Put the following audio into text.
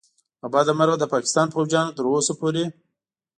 له بده مرغه د پاکستان پوځیانو تر اوسه پورې